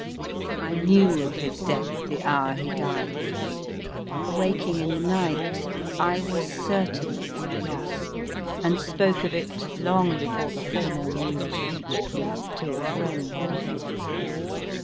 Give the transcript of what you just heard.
I knew of his death the hour he died ; awaking in the night, I was certain of my loss, and spoke of it (long before the formal news reached me) to a friend.